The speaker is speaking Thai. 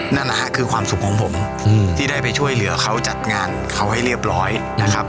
นั่นแหละฮะคือความสุขของผมที่ได้ไปช่วยเหลือเขาจัดงานเขาให้เรียบร้อยนะครับ